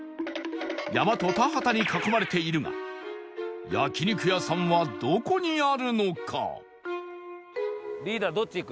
山と田畑に囲まれているが焼肉屋さんはどこにあるのか？